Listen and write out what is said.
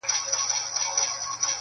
• له سهاره راته ناست پر تش دېګدان دي -